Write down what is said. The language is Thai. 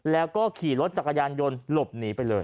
แล้วก็ขี่รถจักรยานยนต์หลบหนีไปเลย